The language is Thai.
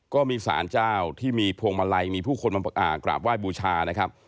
ก็มีสานเจ้าที่มีพวงมะไลมีผู้คนมันปากอ่ากราบไหว้บูชานะครับ